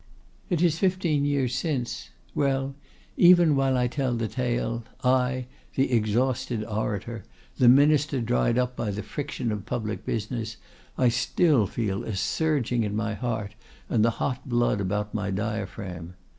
"It is fifteen years since—well, even while I tell the tale, I, the exhausted orator, the Minister dried up by the friction of public business, I still feel a surging in my heart and the hot blood about my diaphragm.